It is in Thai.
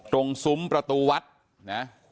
ตรงสุมประตูวัดนะครับ